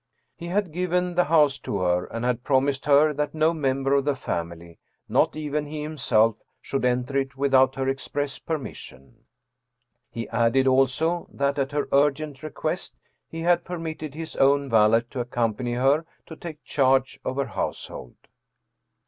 He had given the house to her, and had promised her that no member of the family, not even he himself, should enter it without her express permission. He added also, that, at her urgent request, he had per mitted his own valet to accompany her, to take charge of her household.